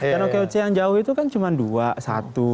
dan okoc yang jauh itu kan cuma dua satu